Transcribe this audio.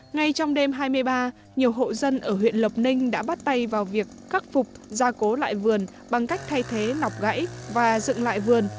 ngay trong đêm hai mươi ba nhiều hộ dân ở huyện lộc ninh đã bắt tay vào việc khắc phục gia cố lại vườn bằng cách thay thế nọc gãy và dựng lại vườn